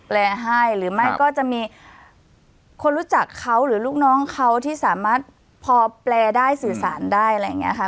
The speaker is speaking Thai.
ให้หรือไม่ก็จะมีคนรู้จักเขาหรือลูกน้องเขาที่สามารถพอแปลได้สื่อสารได้อะไรอย่างนี้ค่ะ